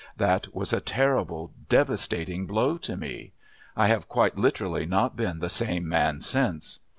That was a terrible, devastating blow to me. I have quite literally not been the same man since.